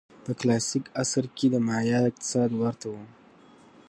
په کلاسیک عصر کې د مایا اقتصاد ورته و.